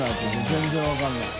全然分からない。